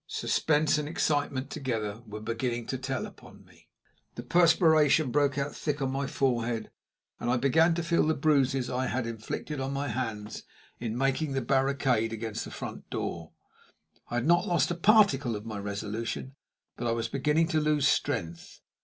Suspense and excitement together were beginning to tell upon me. The perspiration broke out thick on my forehead, and I began to feel the bruises I had inflicted on my hands in making the barricade against the front door. I had not lost a particle of my resolution, but I was beginning to lose strength.